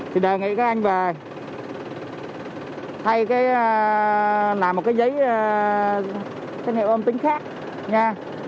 thì đề nghị các anh về thay cái làm một cái giấy cái niệm ôm tính khác nha